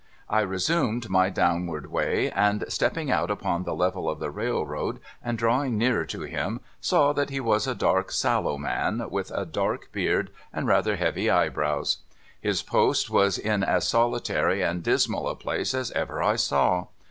1 resumed my downward way, and stepping out upon the level of the railroad, and drawing nearer to him, saw that he was a dark, sallow man, with a dark beard and rather heavy eyebrows. His post was in as solitary and dismal a place as ever I saw.